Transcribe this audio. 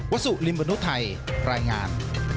วัสดิ์ลิมประนุทัยรายงาน